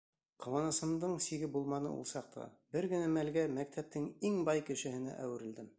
Ҡыуанысымдың сиге булманы ул саҡта, бер генә мәлгә мәктәптең иң бай кешеһенә әүерелдем.